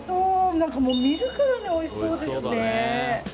何か、もう見るからにおいしそうですね。